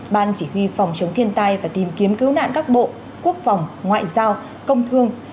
ban chỉ huy phòng chống thiên tai và tìm kiếm cứu nạn các bộ quốc phòng ngoại giao công thương